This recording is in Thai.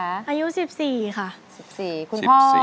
คุณพ่อไม่สบายเรื่องเป็นมะเร็งกล่องเสียงมากี่ปีแล้วลูก